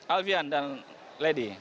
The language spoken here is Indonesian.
alvian dan lady